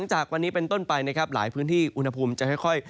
หลายพื้นที่อุณหภูมิจะค่อย